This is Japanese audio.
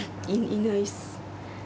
いないです。